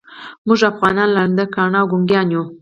موږ افغانان ړانده، کاڼه او ګونګیان یوو.